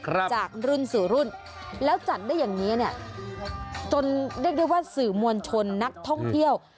จากรุ่นสู่รุ่นแล้วจัดได้อย่างเงี้เนี้ยจนเรียกได้ว่าสื่อมวลชนนักท่องเที่ยว